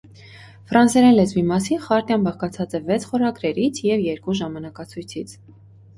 Ֆրանսերեն լեզվի մասին խարտիան բաղկացած է վեց խորագրերից և երկու ժամանակացույցից։